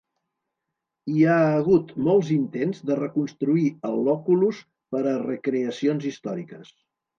Hi ha hagut molts intents de reconstruir el "loculus" per a recreacions històriques.